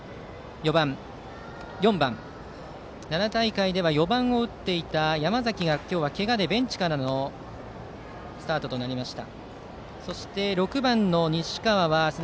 奈良大会では４番を打っていた山崎が今日はけがで、ベンチからのスタートとなりました。